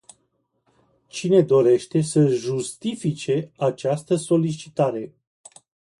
Cine dorește să justifice această solicitare?